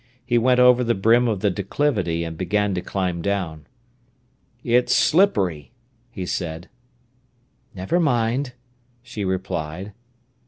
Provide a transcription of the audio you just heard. He went over the brim of the declivity and began to climb down. "It is slippery," he said. "Never mind," she replied.